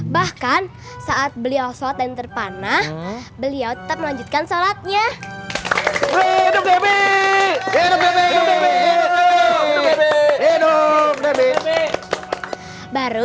bahkan saat beliau soal tenter panah beliau tetap melanjutkan salatnya baru